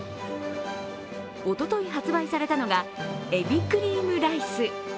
おととい発売されたのがえびクリームライス。